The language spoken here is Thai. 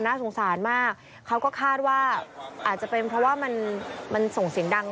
น่าสงสารมากเขาก็คาดว่าอาจจะเป็นเพราะว่ามันส่งเสียงดัง